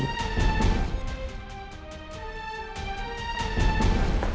tidak ada apa apa